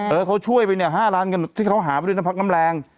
เออเขาช่วยไปเนี่ย๕ล้านเงินที่เขาหาไปด้วยน้ำพักน้ำแรง